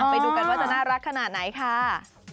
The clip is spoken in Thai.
ไปดูกันว่าจะน่ารักขนาดไหนค่ะ